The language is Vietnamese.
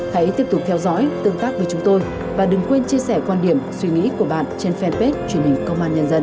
hãy tiếp tục theo dõi tương tác với chúng tôi và đừng quên chia sẻ quan điểm suy nghĩ của bạn trên fanpage truyền hình công an nhân dân